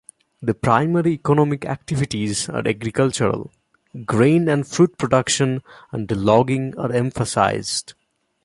The primary economic activities are agricultural; grain and fruit production and logging are emphasized.